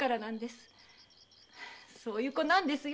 そういう子なんですよ